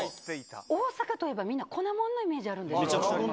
大阪といえばみんな、粉物のイメージあるんですよ。